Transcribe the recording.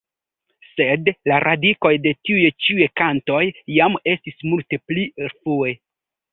Sed la radikoj de tiuj ĉiuj kantoj jam estis multe pli rfue.